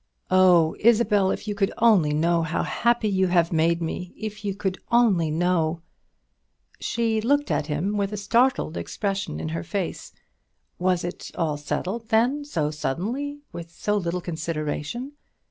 "Oh, Isabel, if you could only know how happy you have made me! if you could only know " She looked at him with a startled expression in her face. Was it all settled, then, so suddenly with so little consideration?